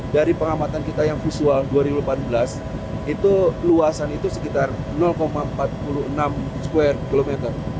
dari pengamatan kita yang visual dua ribu delapan belas itu luasan itu sekitar empat puluh enam square kilometer